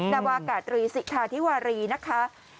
นาวากาศตรีสิทธาธิวารีนะคะ